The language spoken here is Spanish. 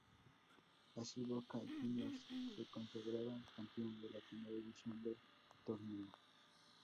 Así Boca Juniors se consagraba campeón de la primera edición del torneo.